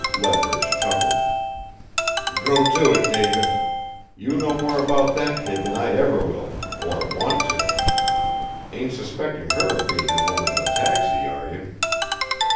Leverage chuckled. "Go to it, David. You know more about that kid than I ever will or want to. Ain't suspecting her of being the woman in the taxi, are you?"